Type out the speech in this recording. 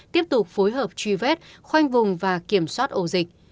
tiếp tục phối hợp truy vết khoanh vùng và kiểm soát ổ dịch